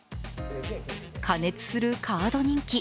過熱するカード人気。